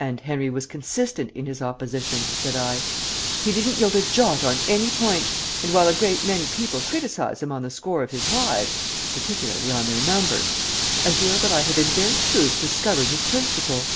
"And Henry was consistent in his opposition," said I. "He didn't yield a jot on any point, and while a great many people criticise him on the score of his wives particularly on their number I feel that I have in very truth discovered his principle."